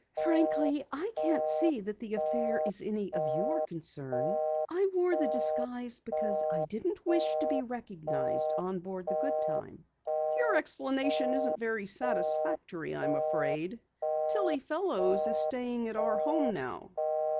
"Frankly, I can't see that the affair is any of your concern. I wore the disguise because I didn't wish to be recognized on board the Goodtime." "Your explanation isn't very satisfactory, I'm afraid. Tillie Fellows is staying at our home now."